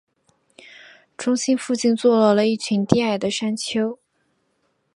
中心附近坐落了一群低矮的山丘。